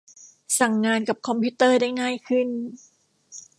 สั่งงานกับคอมพิวเตอร์ได้ง่ายขึ้น